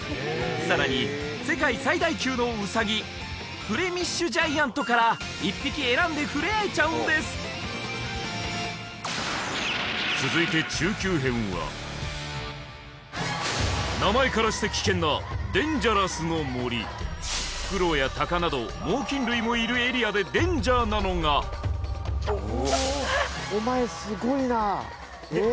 さらに世界最大級のウサギフレミッシュジャイアントから１匹選んで触れ合えちゃうんです続いて中級編は名前からして危険なフクロウやタカなど猛禽類もいるエリアでデンジャーなのがお前すごいなええ？